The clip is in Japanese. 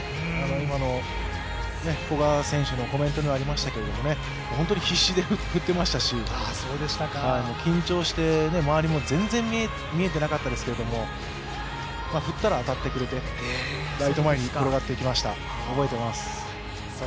今の古賀選手のコメントにもありましたけれども、本当に必死で振ってましたし緊張して周りも全然見えてなかったですけれども、振ったら当たってくれて、ライト前に転がっていきました、覚えています。